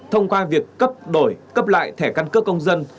thông qua việc cấp đổi cấp lại thẻ căn cước công dân